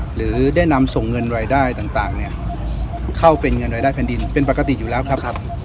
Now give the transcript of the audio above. หรือได้นำส่งเงินรายได้ต่างเข้าเป็นเงินรายได้แผ่นดินเป็นปกติอยู่แล้วครับ